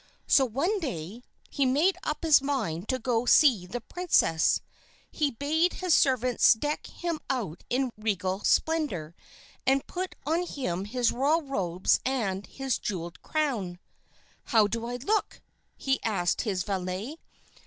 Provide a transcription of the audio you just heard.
So one day, he made up his mind to go to see the princess. He bade his servants deck him out in regal splendor, and put on him his royal robes and his jeweled crown. "How do I look?" he asked his valet.